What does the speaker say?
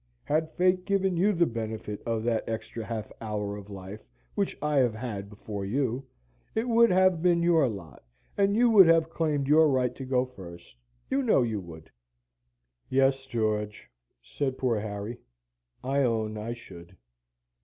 Had Fate given you the benefit of that extra half hour of life which I have had before you, it would have been your lot, and you would have claimed your right to go first, you know you would." "Yes, George," said poor Harry, "I own I should."